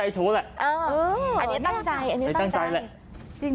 ตั้งใจหล่ะ